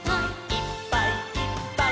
「いっぱいいっぱい」